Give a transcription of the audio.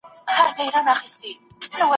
هر پلار د ابوبکر رضي الله عنه غوندي حکيم نه وي.